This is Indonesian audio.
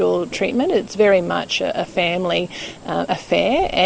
ini sangat banyak perubahan keluarga